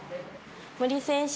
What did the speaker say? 森選手！